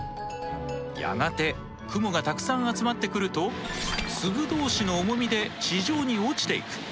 やがて雲がたくさん集まってくると粒同士の重みで地上に落ちていく。